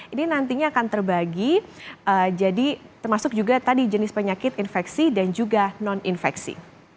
ini nantinya akan terbagi jadi termasuk juga tadi jenis penyakit infeksi dan juga non infeksi